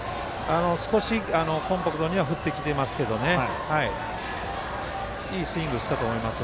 少しコンパクトには振ってきてますけどいいスイングしたと思いますよ